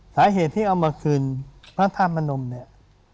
สาเหตุที่เอามาคืนพระธาตุมนมเนี่ย